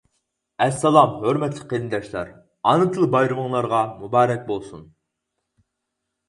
ئەسسالام ھۆرمەتلىك قېرىنداشلار، ئانا تىل بايرىمىڭلارغا مۇبارەك بولسۇن!